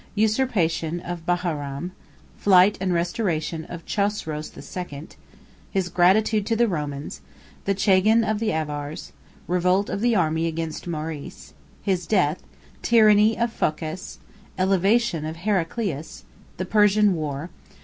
—Usurpation Of Baharam.—Flight And Restoration Of Chosroes II.—His Gratitude To The Romans.—The Chagan Of The Avars.—Revolt Of The Army Against Maurice.—His Death.—Tyranny Of Phocas.—Elevation Of Heraclius.—The Persian War.